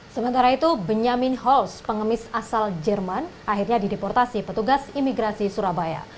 sementara itu benyamin hols pengemis asal jerman akhirnya dideportasi petugas imigrasi surabaya